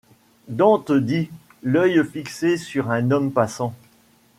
Dante dit, l’œil fixé sur un homme passant